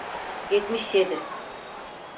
Yetmiş yedi.